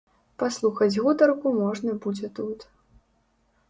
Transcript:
Паслухаць гутарку можна будзе тут.